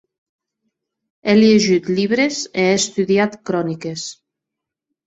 È liejut libres e è estudiat croniques.